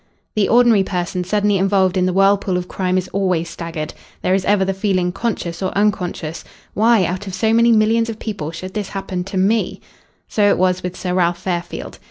The ordinary person suddenly involved in the whirlpool of crime is always staggered. There is ever the feeling, conscious or unconscious: "Why out of so many millions of people should this happen to me?" So it was with Sir Ralph Fairfield.